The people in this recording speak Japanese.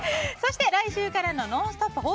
そして、来週からの「ノンストップ！」